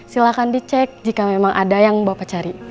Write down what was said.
silahkan dicek jika memang ada yang bapak cari